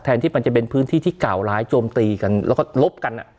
ที่มันจะเป็นพื้นที่ที่กล่าวร้ายโจมตีกันแล้วก็ลบกัน